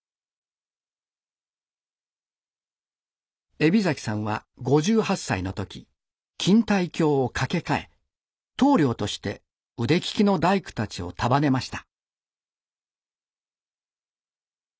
海老さんは５８歳の時錦帯橋を架け替え棟りょうとして腕利きの大工たちを束ねました。